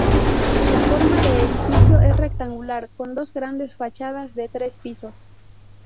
La forma de edificio es rectangular, con dos grandes fachadas de tres pisos.